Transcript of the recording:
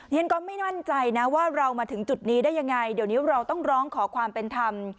ฉันก็ไม่มั่นใจนะว่าเรามาถึงจุดนี้ได้ยังไงเดี๋ยวนี้เราต้องร้องขอความเป็นธรรม